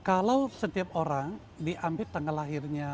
kalau setiap orang diambil tanggal lahirnya